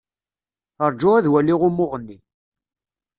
Rju ad waliɣ umuɣ-nni.